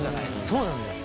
そうなんだよ。